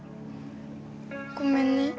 ごめんね。